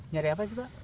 nyari apa sih pak